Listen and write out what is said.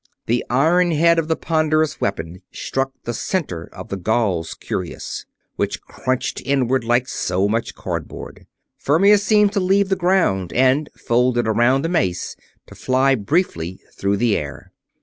The iron head of the ponderous weapon struck the center of the Gaul's cuirass, which crunched inward like so much cardboard. Fermius seemed to leave the ground and, folded around the mace, to fly briefly through the air.